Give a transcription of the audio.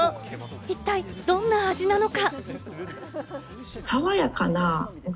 一体どんな味なのか？